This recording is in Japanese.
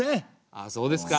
ああそうですか。